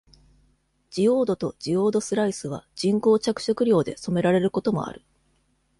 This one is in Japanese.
ジオードとジオードスライスは人口着色料で染められることもある。